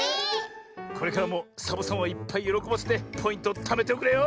これからもサボさんをいっぱいよろこばせてポイントをためておくれよ。